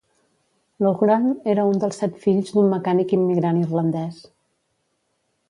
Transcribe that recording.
Loughran era un de set fills d'un mecànic immigrant irlandès.